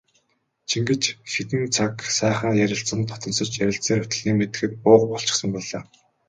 Чингэж хэдэн цаг сайхан ярилцан дотносож ярилцсаар явтал нэг мэдэхэд буух болчихсон байлаа.